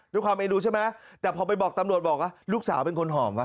เอ็นดูใช่ไหมแต่พอไปบอกตำรวจบอกว่าลูกสาวเป็นคนหอมว่